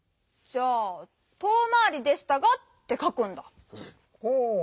じゃあ「とおまわりでしたが」ってかくんだ。